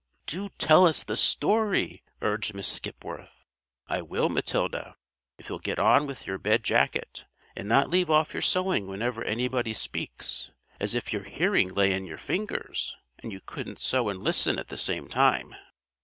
"Do tell us the story," urged Miss Skipworth. "I will, Matilda, if you'll get on with your bed jacket, and not leave off your sewing whenever anybody speaks, as if your hearing lay in your fingers, and you couldn't sew and listen at the same time.